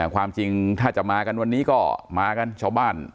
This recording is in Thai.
ความจริงถ้าจะมากันวันนี้ก็มากันชาวบ้าน